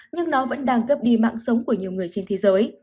nhưng nó vẫn đang cấp đi mạng sống của nhiều người trên thế giới